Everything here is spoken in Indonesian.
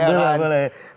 boleh boleh boleh